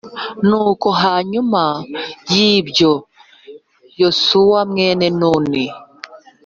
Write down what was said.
Nuko hanyuma y ibyo yosuwa mwene nuni